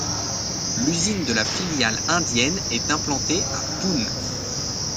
L'usine de la filiale indienne est implantée à Pune.